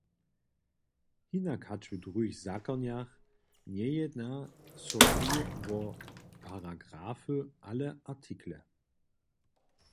Hinak hač w druhich zakonjach njejedna so tu wo paragrafy, ale artikle.